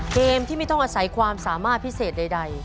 เกมที่ไม่ต้องอาศัยความสามารถพิเศษใด